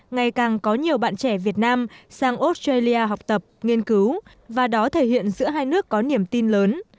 ngày càng có nhiều bạn trẻ việt nam sang australia học tập nghiên cứu và đó thể hiện giữa hai nước có niềm tin lớn